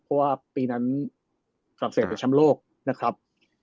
เพราะว่าปีนั้นรักเสียเป็นชำโลกนะครับ